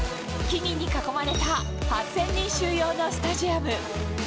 木々に囲まれた８０００人収容のスタジアム。